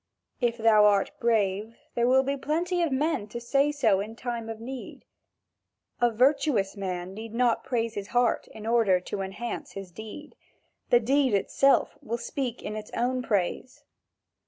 If thou art brave, there will be plenty of men to say so in time of need. A virtuous man need not praise his heart in order to enhance his deed; the deed itself will speak in its own praise.